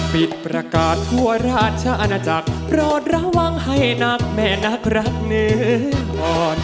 ปิดประกาศทั่วราชอาณาจักรโปรดระวังให้นักแม่นักรักเนื้ออ่อน